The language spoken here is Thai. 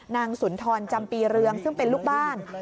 สุนทรจำปีเรืองซึ่งเป็นลูกบ้าน